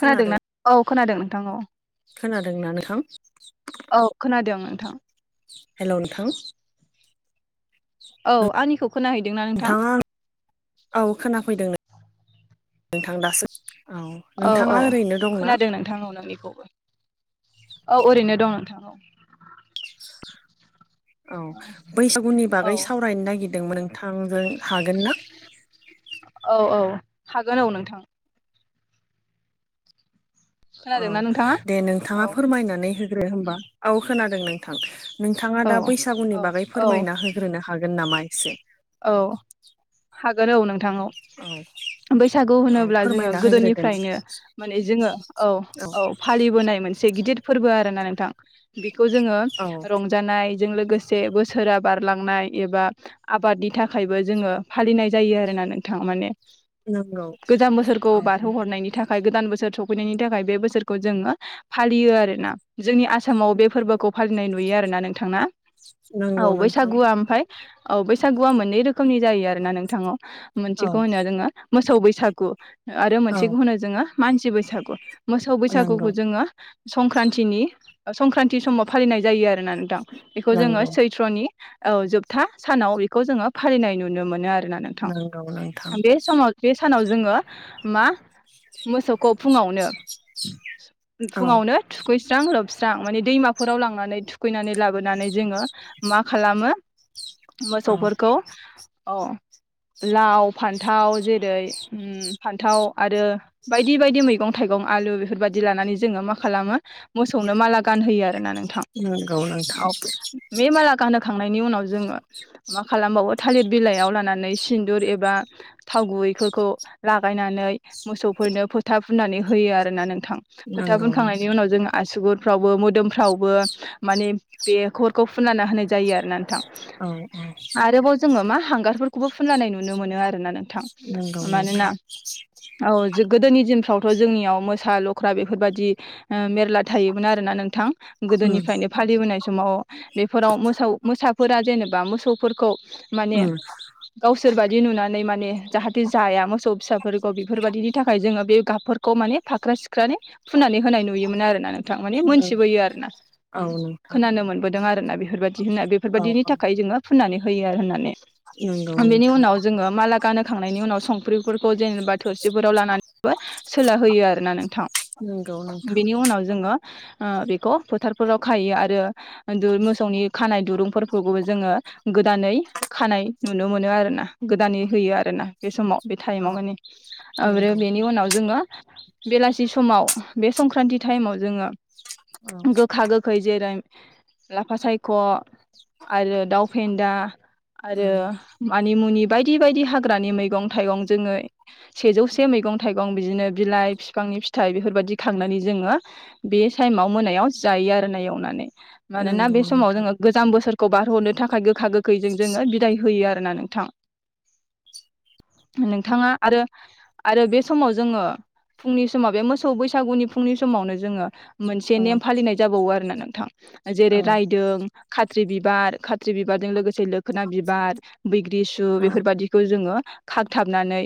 खोनादों ना औ खोनादों नोंथां औ खोनादोंना नोंथां औ खोनादों नोंथां हेल' नोंथां औ [unintelligible] आंनिखौ खोनाहैदोंना नोंथां? नोंथाङा औ खोनाफैदों नों नोंथां दासो औ औ नोंथाङा औ ओरैनो दंना खोनादों नोंथां औ नोंनि खौबो औ ओरैनो दं नोंथां औ औ बैसागुनि औ। बागै सावरायनो नागिरदोंमोन नोंथांजों हागोन ना [inaudible] औ औ हागोन औ नोंथां औ खोनादोंना नोंथाङा? दे नोंथाङा औ फोरमायनानै होग्रो होनबा उम औ खोनादों नोंथां नोंथाङा औ दा औ बैसागुनि बागै औ फोरमायना होग्रोनो हागोन नामा इसे? औ हागोन औ नोंथां औ बैसागु औ होनोब्ला जोङो फोरमायना होग्रोदो नोंथां गोदोनिफ्रायनो माने जोङो औ औ फालिबोनाय मोनसे गिदिर फोरबो आरोना नोंथां बेखौ जोङो औ रंजानाय जों लोगोसे बोसोरा बारलांनाय एबा आबादनि थाखायबो जोङो फालिनाय जायो आरो ना नोंथां माने नंगौ गोजाम बोसोरखौ औ बारहोहरनायनि थाखाय गोदान बोसोर स फैनायनि थाखाय बे बोसोरखौ जोङो फालियो आरोना जोंनि आसामाव बे फोरबोखौ फालिनाय नुयो आरोना नोंथां ना। औ नंगौ नोंथां बैसागुआ ओमफ्राय औ बैसागुआ मोननै रोखोमनि जायो आरो ना नोंथां‌ औ औ मोनसेखौ होनो जोङो मोसौ बैसागु आरो औ मोनसेखौ होनो जोङो मानसि बैसागु मोसौ नंगौ बैसागुखौ जोङो संक्रान्तिनि संक्रान्ति समाव फालिनाय जायो आरोना नोंथां बेखौ जोङो नंगौ सैथ्र'नि औ जोबथा सानाव बेखौ जोङो फालिनाय नुनो मोनो आरो। ना नोंथां नंगौ नोंथां बे समाव बे सानाव जोङो मा मोसौखौ फुङावनो औ फुङावनो थुखैस्रां लोबस्रां माने दैमाफोराव लांनानै थुखैनानै लाबोनानै जोङो मा खालामो [unintelligible] मोसौफोरखौ औ लाव फान्थाव जेरै उम फान्थाव आरो बायदि बायदि मैगं थाइगं आलु बेफोरबादि लानानै जोङो मा खालामो मोसौनो माला गानहोयो आरो ना नोंथां। नंगौ नोंथां औ बे माला गानहोखांनायनि उनाव जोङो मा खालामबावो थालिर बिलाइयाव लानानै सिन्दुर एबा थाव गुबैफोरखौ लागायनानै मोसौफोरनो फोथा फुननानै होयो आरोना नोंथां फोथा नंगौ नों फुनखांनायनि उनाव जों आसुगुर -फ्रावबो मोदोमफ्रावबो माने बे खरखौ फुननानै होनाय जायो आरो ना नोंथां। औ औ आरोबाव जोङो मा हांगारफोरखौबो फुनलानाय नुनो मोनो आरोना नों थां नंगौ मानोना, नोंथां औ जो गोदोनि दिन फ्रावथ' जोंनियाव मोसा लख्रा बेफोरबादि ओ ला थायोमोन आरोना नोंथां उम गोदोनिफ्रायनो फालिबोनाय समाव बेफोराव मोसौ मोसा फोरा जेनेबा मोसौफोरखौ माने उम गावसोरबादि नुनानै माने जाहाथे जाया मोसौ फिसाफोरखौ बेफोर बायदिनि थाखाय जोङो बे गाबफोरखौ माने फाख्रा सिख्रानि फुननानै होनाय नुयोमोन आरोना नोंथां माने नों मोनथिबोयो आरो ना औ उम नोंथां खोनानो मोनबोदों आरो ना बेफोर बायदि होनना बेफोर औ बायदिनि थाखाय जोङो फुनानै होयो आरो होननानै नंगौ बेनि नोंथां उनाव जोङो माला गानहो खांनायनि उनाव संख्रिफोरखौ जेनेबा थोरसिफोराव लानानैबो सोलाहयो आरोना नोंथां। नंगौ नोंथां बेनि उनाव जोङो ओ बेखौ फोथारफोराव खायो आरो दु- मोसौनि खानाय दुरुं फोरखौबो जोङो गोदानै खानाय नुनो मोनो आरो ना। गोदानै होयो आरोना बे समाव बे टाइमाव औ माने। ओब्रो नंगौ बेनि उनाव जोङो बेलासि समाव बे संक्रान्ति टाइमाव जोङो औ गोखा गोखै जेरै लाफा सायख' आरो दाउ फेन्दा औ आरो मानि मुनि बायदि बायदि हाग्रानि मैगं थाइगं जोङो सेजौसे मैगं थाइगं बिदिनो बिलाइ बिफां नि फिथाइ बेफोर बायदि खांनानै जोङो बे टाइमाव मोनायाव जायो आरो ना एवनानै मानोना नंगौ बे समाव नोंथां जोङो गोजाम बोसोरखौ बारहरनो थाखाय गोखा गोखैजों जोङो बिदाय होयो आरोना नों थां [inaudible] नोंथाङा आरो आरो बे समाव जोङो फुंनि समाव बे मोसौ बैसागुनि फुंनि समावनो जोङो मोनसे औ नेम फालिनाय जाबावो आरो ना नोंथां जेरै औ रायदों खात्रि बिबार खा थ्रि बिबारजों लोगोसे लोखोना बिबार बैग्रि सु औ बेफोर बायददिखौ जोङो खागथाबनानै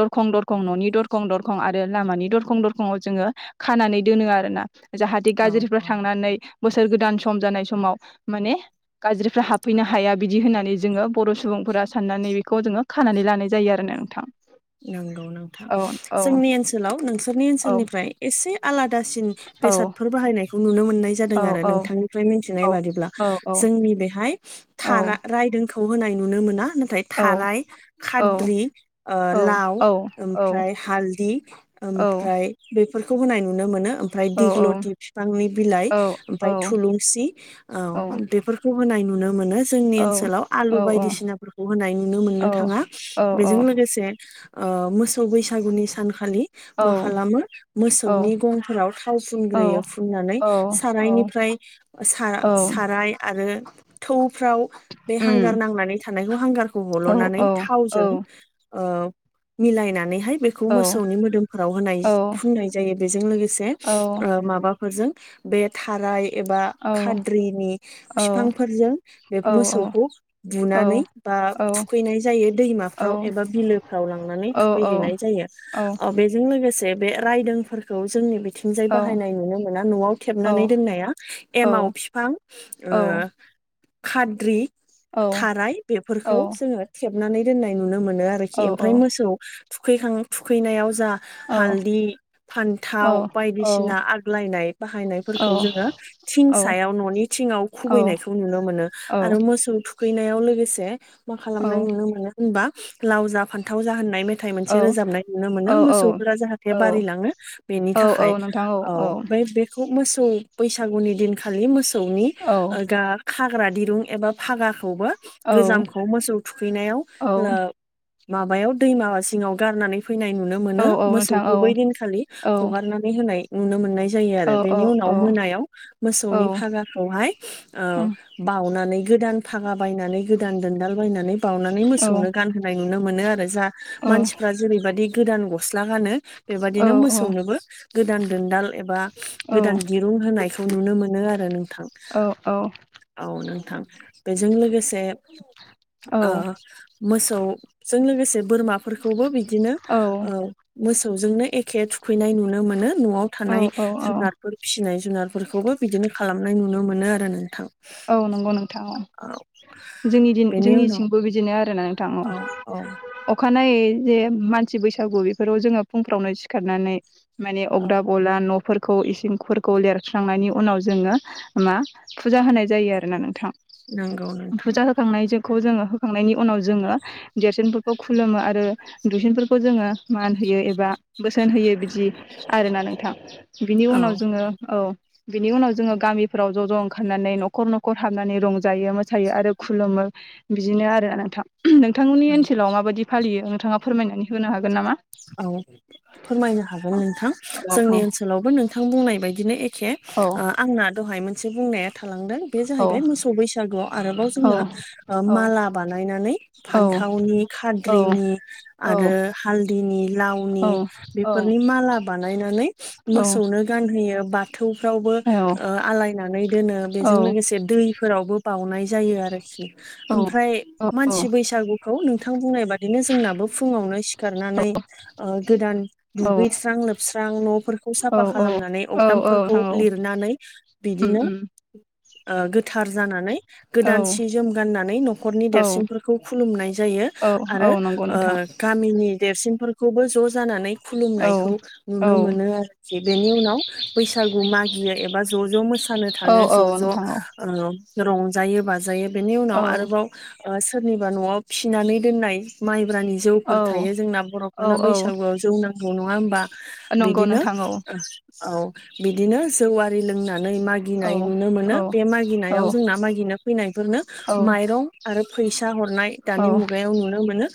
दरखं दरखं न'नि दरखं दर खं आरो लामानि दरखं दरखंआव जोङो खानानै दोनो आरोना। जाहाथे औ गाज्रिफ्रा औ थांनानै बोसोर गोदान सम जानाय समाव माने गाज्रिफ्रा हाब फैनो हाया बिदि होननानै जोङो बर' सुबुंफोरा साननानै बेखौ जोङो खानानै लानाय जायो आरोना नोंथां। नंगौ नोंथां औ औ जोंनि ओनसोलाव नोंसोरनि औ ओनसोलनिफ्राय एसे आलादा दासिन बेसादफोर बाहायनायखौ नुनो मोना नाय औ जादों आरो औ नोंथांथिनाय बादिब्ला औ औ जोंनि बेहाय औ थारा- रायदोंखौ खौ होनाय नुनो मोना नाथाय औ थाराय खाद्रि ओ लाव औ औ ओमफ्राय हालदि ओमफ्राय बेफोर खौ होनाय नुनो मोनो। ओमफ्राय दिग्ल'थि बिफांनि बिलाइ औ ओमफ्राय थुलुंसि औ बेफोरखौ होनाय नुनो मोनो जोंनि ओनसोलाव उम औ आलु औ बायदिसिनाफोरखौ होनाय नुनो मोननो थांङा औ औ बेजों लोगोसे ओ मोसौ बैसागुनि सानखालि मा औ खालामो मोसौनि गंफोराव थाव फुनग्रोयो फुं नानै औ औ सारायनिफ्राय सा साराय आरो थौफ्राव बे हांगार नांनानै थानायखौ हांगारखौ हल'नानै थावजों ओ मिलायनानैहाय बेखौ मोसौनि मोदोमफोराव होनाय फुननाय जायो बेजों लोगोसे ओ माबाफोरजों बे थाराय एबा खाद्रिनि फिफां फोरजों बे मोसौखौ बुनानै बा ओ थुखैनाय जायो दैमा फ्राव एबा बिलोफ्राव लांनानै थुखैहैनाय जायो ओ बेजों लोगोसे बे रायदोंफोरखौ जोंनि बे थिंजाय बाहायनाय नुनो मोना न'आव थेबनानै दोननाया एमाव बिफां ओ खाद्रि थाराय बेफोरखौ जोंङो थेबनानै दोननाय नुनो मोनो आरोखि ओमफ्राय औ औ मोसौ थुखैखां थुखैनायाव जा औ हालदि औ फान्थाव औ बायदिसिना आग्लायनाय औ बाहायनायफोरखौ जोंङो थिं औ सायाव न'नि थिं थिंङाव औ खुबैनायखौ नुनो मोनो औ आरो मोसौ थु थुखैनायाव लोगोसे मा औ खालामनाय नुनो मोनो होनबा लाव जा फान्थाव जा होननाय मेथ थाय मोनसे रोजाबनाय नुनो मोनो औ मोसौफोरा जाहाथे औ बारिलांङो बेनि औ थाखाय औ नोंथां औ बे बेखौ खुब मोसौ बैसागुनि दिनखालि मोसौनि औ ओ गा खाग्रा दिरुं एबा फागाखौबो औ गोजामखौ मोसौ थुखैनायाव औ ला माबायाव दै मा जिंङाव गारनानै फैनाय नुनो मोनो औ नोंथां मोसौखौ औ बै दिनखालि औ हगारनानै होनाय नुनो मोननाय जायो औ आरो बेनि औ उनाव मोनायाव औ मोसौनि फागाखौहाय ओ उम बावनानै गोदान फागा बायनानै गोदान दोनदाल बायनानै बावनानै औ मोसौनो गानहोय नुनो मोनो आरो जा मानसिफ्रा जेरै बेबाददि गोदान गस्ला गानो बेबादिनो मोसौनोबो गोदान दोनदाल एबा गोदान दिरुं होनायखौ नुनो मोनो आरो नों थां औ नोंथां बेजों लोगोसे ओ मोसौ जों लोगोसे बोरमाफोरखौबो बिदिनो ओ मोसौजोंनो एखे थुखैनाय नुनो मोनो न'आव थानाय औ औ जुनारफोर फिसिनाय जुनारफोरखौबो बिदिनो खालामनाय नुनो मोनो आरो नोंथां। औ नंगौ नोंथां औ औव जोंनि दिन बेनि उनाव जोंनिथिंबो बिदिनो आरोना औ औ अखानायै जे मानसि बैसागु बेफोराव जोंङो फुंफ्रावनो सिखारनानै माने औ अगदाब वला न' फोरखौ इसिंफोरखौ लेरस्रांनायनि उनाव जोंङो मा फुजा होनाय जायो आरोना नोंथां नोंगौ नोंथां। खौ जोंङो होखांनायनि उनाव जोंङो देरसिनफोरखौ खुलुमो आरो दुइसेनफोरखौ जोंङो मान होयो एबा बोसोन होयो बिदि आरोना नोंथां। बिनि औ उनाव जोंङो औ बिनि उनाव जोंङो गामिफोराव ज' ज' ओंखारनानै न' न'खर न'खर हाबनानै रंजायो मोसायो आरो खुलुमो बिदिनो आरो नोंथां। उमह नोंथांमोननि औ ओनसोलाव माबायदि फालियो नोंथांङा फोरमायनानै होनो हागोन नामा? औ फोरमायनो हागोन नोंथां औ औ जोंनि ओनसोलावबो नोंथां बुंनाय बायदिनो एक खे औ ओ आंना दहाय मोनसे बुंनाया थालांदों बे जाहैबाय मोसौ बैसागुआव आरोबाव औ जोंना ओ औ माला बानायनानै औ फान्थाव थावनि औ खाद्रिनि आरो हाल दैनि लावनि औ औ बेफोरनि माला बानायनानै मोसौनो गानहोयो बाथौफ्रावबो आलायनानै दोनो बेजों औ लोगोसे दैफोरावबो बाउनाय जायो आरोखि। औ ओमफ्राय औ औ मानसि बैसागुखौ नोंथां बुंनाय बादिनो जोंनाबो फुङावनो सिखार नानै ओ गोदान औ दुगैस्रां लोबस्रां न'फोरखौ औ साफा खालामनानै औ औ अगदाबमफोर खौ नोंथां औ लिरनानै उम बिदिनो उम ओ गोथार जानानै। औ गोदान सि जोम गाननानै न'खरनि औ देरसिनफोरखौ खुलुमनाय जायो औ औ आरो नंगौ ओ नोंथां गामिनि देरसिनफोरखौबो ज' जानानै औ खुलुमनायखौ औ नुनो मोनो आरोखि बेनि उनाव बैसागु मागियो एबा ज ज मोसानो औ थाङो ज औ ज नोंथां औ ओ रंजायो बाजायो बेनि उनाव आरोबाव सोरनिबा न'आव फिनानै दोननाय माइब्रानि औ जौफोर थायो। जोंना औ बर'फोरना बैसागुआव जौ नांगौ नङा होमबा? औ नंगौ बिदिनो नोंथां औ औ बिदिनो जौव आरि लों नानै औ मागिनाय नुनो औ मोनो बे औ मागिनायाव जोंना मागिनो फैनाय बेफोरनो औ माइरं आरो फैसा हरनाय दानि औ मुगायाव नुनो मोनो।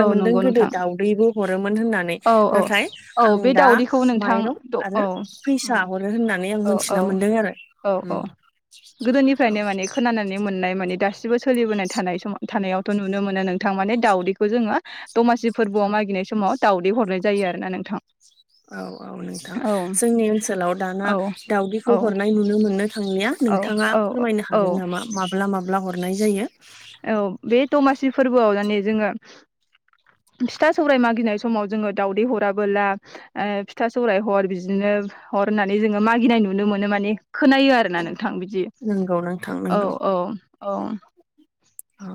औ मोन्दों नंगौ गोदो नोंथां दाउदैबो हरो। मोन होननानै औ औ नाथाय औ आं बे दा दाउदैखौ नोंथां माइरं औ आरो औ फैसा हरो होननानै आं औ मोनथिना मोन्दों आरो। औ औ उम गोदोनिफ्रायनो माने खोनानानै मोननाय माने दासिम बो सोलिबोनाय थानाय सम थानायावथ' नुनो मोनो नोंथां माने दाावदैखौ जोङो दमासि फोरबोआव मागिनाय समाव दावदै हरनाय जायो आरोना नोंथां। औ औ नोंथां औ जोंनि ओनसोलाव दाना औ दउदैखौ औ हरनाय नुनो मोननो थांलिया औ नोंथाङा औ फोरमायनो औ हागोन नामा माब्ला माब्ला हरनाय जायो? औ बे दमासि फोरबोआव माने जोङो फिथा सौराय मागिनाय समाव जोङो दाउदै हराबोला फिथा सौराय हर बिदिनो हर होननानै जोङो मागिनाय नुनो मोनो माने खोनायो आरोना नों थां बिदि नंगौ नोंथां औ नंगौ औ औ। औ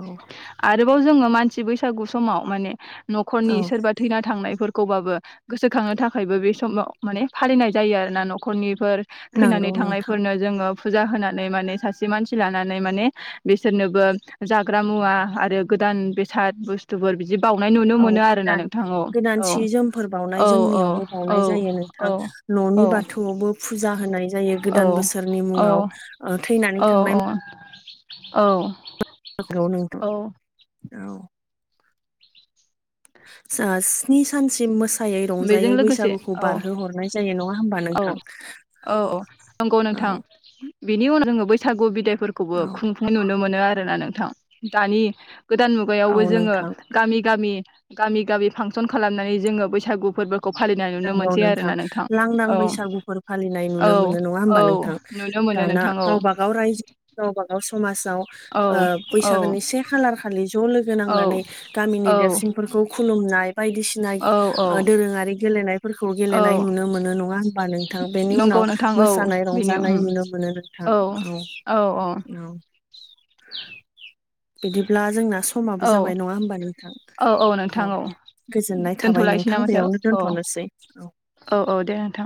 आरोबाव जोङो मानसि बैसागु समाव माने न'खरनि औ सोरबा थैना थांनाय खौबाबो गोसोखांनो थाखायबो बे समाव माने फालिनाय जायो आरो ना न'खरनिफोर थैनानै नंगौ नोंथां थांनायफोरनो जोङो फुजा होनानै माने सासे मानसि लानानै माने बिसोरनोबो जाग्रा मुवा आरो गोदान बेसाद बुस्थुफोर बिदि बावनाय नुनो औ मोनो आरोना गोदान नोंथां औ गोदान सि जोमफोर बावनाय औ औ जोंनियावबो औ बावनाय जायो औ। नोंथां न'नि औ बाथौआवबो फुजा होनाय जायो औ गोदान बोसोरनि मुङाव ओ थैनानै थांनाय औ औ औ नंगौ नंगौ औ औ स्नि सानसिम मोस फिायै बेजों रंजायै लोगोसे बैसागुखौ औ बारहो हरनाय जायो नङा होमबा औ नोंथां? औ औ नंगौ औ नोंथां। बिनि उनाव जोङो बैसागु बिदायफोरखौबो औ खुंफुंनाय नुनो मोनो आरोना नोंथां दानि गोदान मुगायावबो औ जोङो नोंथां गामि गामि गामि गामि फांसन खालामनानै जोङो बैसागु फोरबो नंगौ नोंथां लांदां औ बैसागुफोर फालिनाय औ नुनो मोनो नङा होमबा औ नोंथां? नुनो मोनो दाना नोंथां औ गावबाागाव रायजो गावबा गाव समाज औ औ बैसागुनि से खालार खालि ज' लोगो औ नांनानै गामिनि औ देरसिनफोरखौ खुलुमनाय बायदिसिना औ औ दोरोङारि गेलेनायफोरखौ औ गेलेनाय नुनो मोनो नङा होमबा नोंथां बेनि नंगौ उनाव नोंथां औ मोसानाय बेनि उम रंजानाय नुनो मोनो। नोंथां औ औ औ बिदिब्ला जोंना समाबो औ जाबाय नङा होमबा नोंथां? औ। गोजोननाय थाबाय दोनथ'लायसै ना नोंथां माथो बेयावनो औ दोनथ'नोसै औ। औ दे नोंथां